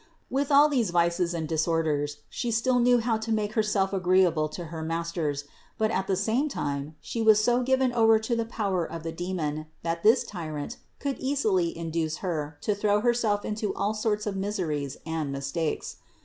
With all these vices and dis orders, she still knew how to make herself agreeable to her masters, but at the same time she was so given over to the power of the demon that this tyrant could easily induce her to throw herself into all sorts of miseries and mistakes.